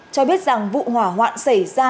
cho biết rằng vụ hỏa hoạn xảy ra